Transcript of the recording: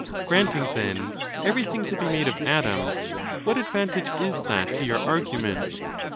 Granting, then, everything to be made Tii atoms, what advantage is that to your argument?